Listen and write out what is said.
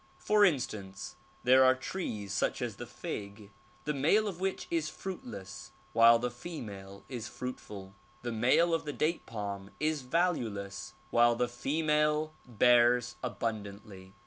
For instance, there are trees such as the fig, the male of which is fruitless while the female is fruitful. The male of the date palm is valueless while the female bears abundantly.